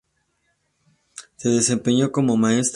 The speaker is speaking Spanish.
Se desempeñó como maestra.